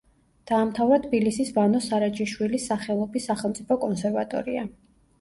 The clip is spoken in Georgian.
დაამთავრა თბილისის ვანოს სარაჯიშვილის სახელობის სახელმწიფო კონსერვატორია.